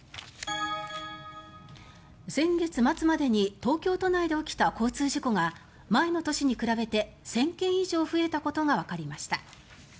先月末までに東京都内で起きた交通事故が前の年に比べて１０００件以上増えたことがわかりました。